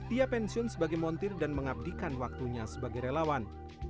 ia pensiun sebagai montir dan mengabdikan waktunya sebagai relawan